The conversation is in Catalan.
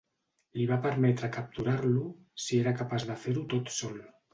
Li va permetre capturar-lo si era capaç de fer-ho tot sol.